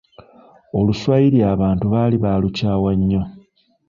Oluswayiri abantu baali baalukyawa nnyo.